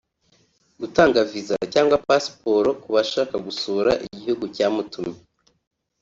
gutanga viza cyangwa pasiporo ku bashaka gusura igihugu cyamutumye